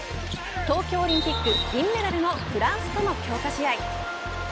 東京オリンピック銀メダルのフランスとの強化試合。